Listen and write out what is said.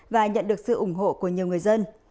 và nhận được sự ủng hộ của nhiều người dân